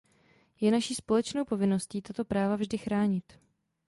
Je naší společnou povinností tato práva vždy chránit.